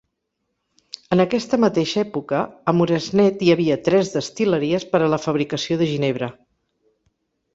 En aquesta mateixa època, a Moresnet hi havia tres destil·leries per a la fabricació de ginebra.